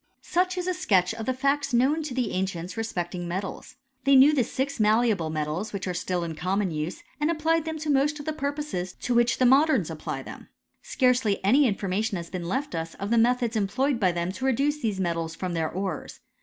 Such is a sketch of the facts known to the ancients respecting metals. They knew the six malleable metals which are still in common use, and applied them to most of the purposes to which the modems apply them. Scarcely any information has been left us of the methods employed by them to reduce these metals from their ores.